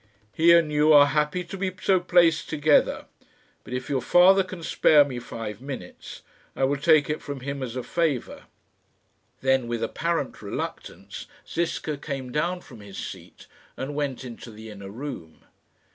"He and you are happy to be so placed together. But if your father can spare me five minutes, I will take it from him as a favour." Then, with apparent reluctance, Ziska came down from his seat and went into the inner room.